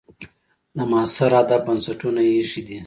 د معاصر ادب بنسټونه یې ایښي دي.